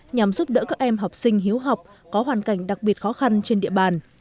nhằm giúp đỡ các em học sinh hiếu học có hoàn cảnh đặc biệt khó khăn trên địa bàn